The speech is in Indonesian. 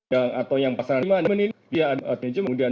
yang atau yang pasangannya